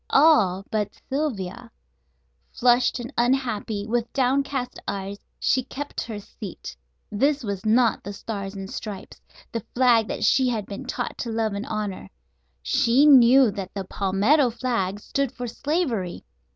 All but Sylvia. Flushed and unhappy, with downcast eyes, she kept her seat. This was not the "Stars and Stripes," the flag she had been taught to love and honor. She knew that the palmetto flag stood for slavery.